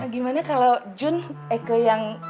gimana kalau jun eke yang